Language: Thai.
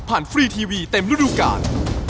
ผ่านฟรีทีวีเต็มรูดดูการ